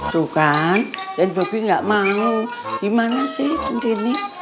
tuh kan dan bobi gak mau gimana sih cinti ini